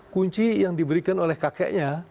kunci yang diberikan oleh kakeknya